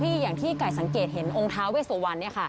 ค่ะพี่อย่างที่ไก่สังเกตเห็นองค์ท้าเวสวรรค์นี้ค่ะ